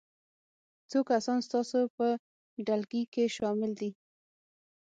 څو کسان ستاسو په ډلګي کې شامل دي؟